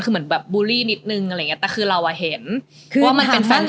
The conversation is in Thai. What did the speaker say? คือเหมือนแบบบูลลี่นิดนึงอะไรอย่างเงี้แต่คือเราอ่ะเห็นคือว่ามันเป็นแฟนคลับ